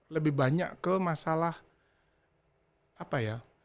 lebih banyak ke masalah apa ya